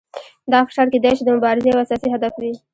دا فشار کیدای شي د مبارزې یو اساسي هدف وي.